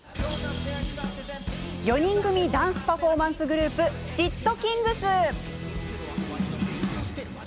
４人組ダンスパフォーマンスグループｓ＊＊ｔｋｉｎｇｚ。